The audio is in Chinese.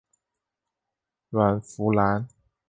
阮福澜。